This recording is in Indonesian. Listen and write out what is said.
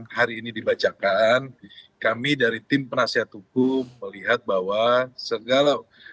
hari ini dibacakan kami dari tim penasihat hukum melihat bahwa segala